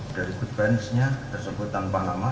dari good branch nya tersebut tanpa nama